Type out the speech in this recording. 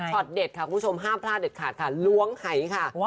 เด็ดค่ะคุณผู้ชมห้ามพลาดเด็ดขาดค่ะล้วงหายค่ะ